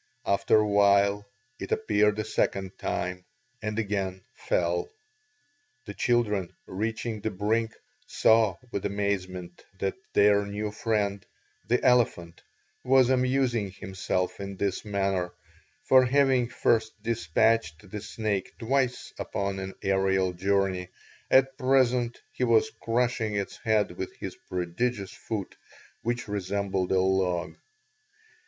After a while it appeared a second time and again fell. The children, reaching the brink, saw with amazement that their new friend, the elephant, was amusing himself in this manner, for having first despatched the snake twice upon an aerial journey, at present he was crushing its head with his prodigious foot which resembled a log.